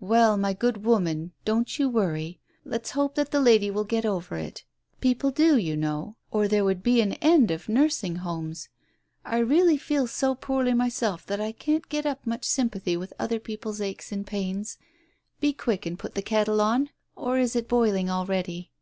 "Well, my good woman, don't you worry. Let's hope that the lady will get over it. People do, you know, or there would be an end of nursing homes. I really feel so poorly myself that I can't get up much sympathy with other people's aches and pains. Be quick and get the kettle on, or is it boiling already